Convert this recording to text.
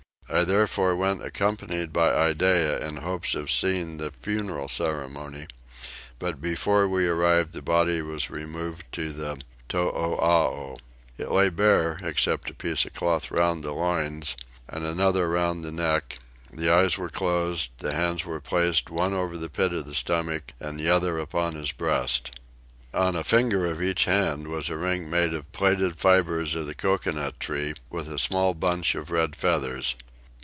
I therefore went accompanied by Iddeah in hopes of seeing the funeral ceremony; but before we arrived the body was removed to the Toopapow. It lay bare except a piece of cloth round the loins and another round the neck: the eyes were closed: the hands were placed, one over the pit of the stomach and the other upon his breast. On a finger of each hand was a ring made of plaited fibres of the coconut tree, with a small bunch of red feathers.